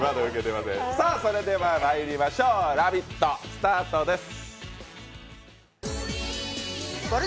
それではまいりしまょう、「ラヴィット！」スタートです。